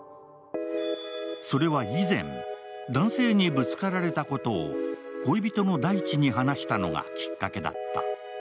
それは以前、男性にぶつかられたことを恋人の大地に話したのがきっかけだった。